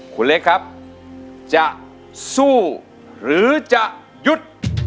คุณเล็กครับจะสู้หรือจะหยุด